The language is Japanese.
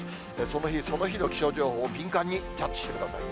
その日、その日の気象情報を敏感にキャッチしてください。